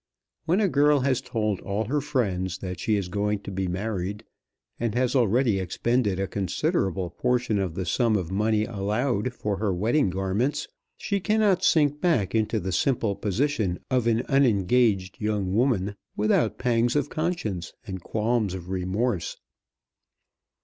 When a girl has told all her friends that she is going to be married, and has already expended a considerable portion of the sum of money allowed for her wedding garments, she cannot sink back into the simple position of an unengaged young woman without pangs of conscience and qualms of remorse.